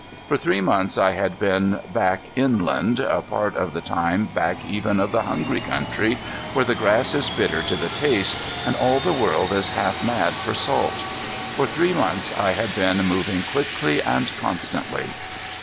For three months I had been back inland, a part of the time back even of the Hungry Country, where the grass is bitter to the taste, and all the world is half mad for salt. For three months I had been moving quickly and constantly.